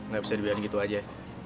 gak bisa dibilang gitu aja